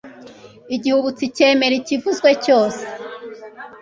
Igihubutsi cyemera ikivuzwe cyose